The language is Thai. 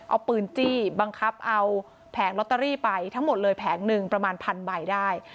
เอาปืนจี้บังคับเอาแผงลอตเตอรี่ไปทั้งหมดเลยแผงหนึ่งประมาณพันใบได้